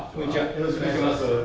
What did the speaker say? よろしくお願いします。